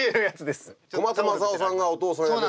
小松政夫さんがお父さん役ね。